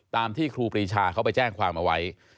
ตามที่ครูปรีชาเขาไปแจ้งความเอาไว้